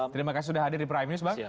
terima kasih sudah hadir di prime news bang